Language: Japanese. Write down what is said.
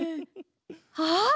あっ！